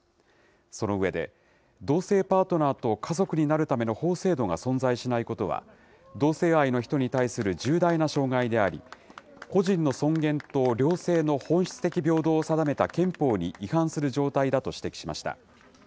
その上で、同性パートナーと家族になるための法制度が存在しないことは、同性愛の人に対する重大な障害であり、個人の尊厳と両性の本質的平等を定めた憲法に違反する状態だと指摘しました。